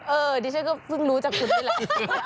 เออที่ฉันก็รู้จากคุณได้แหละ